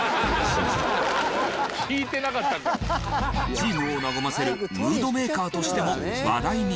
チームを和ませるムードメーカーとしても話題に。